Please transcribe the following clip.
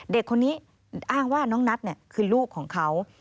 เด็กคนนี้อ้างว่าน้องนัทคือลูกของเขา